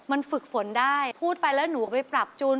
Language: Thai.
มันฝึกฝนได้พูดไปแล้วหนูเอาไปปรับจูน